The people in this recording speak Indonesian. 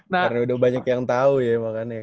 karena udah banyak yang tau ya makanya kayak